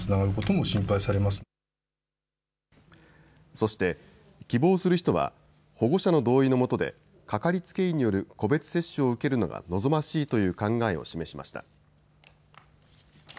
そして、希望する人は保護者の同意のもとで掛かりつけ医による個別接種を受けるのが望ましいという考えを示しました。